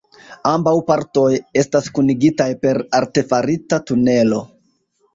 Ambaŭ partoj estas kunigitaj per artefarita tunelo.